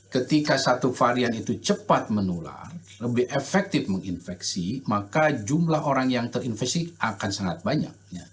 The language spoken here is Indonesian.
ketika satu varian itu cepat menular lebih efektif menginfeksi maka jumlah orang yang terinfeksi akan sangat banyak